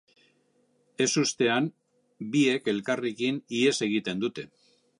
Ezustean biek elkarrekin ihes egiten dute.